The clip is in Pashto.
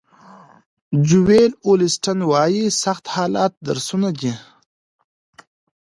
جویل اولیسټن وایي سخت حالات درسونه دي.